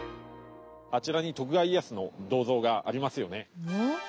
あちらに徳川家康の銅像がありますよね。